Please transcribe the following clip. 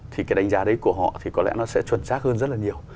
thì cái đánh giá đấy của họ thì có lẽ nó sẽ chuẩn xác hơn rất là nhiều